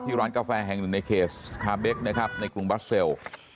ร้านกาแฟแห่งหนึ่งในเขตคาเบคนะครับในกรุงบัสเซล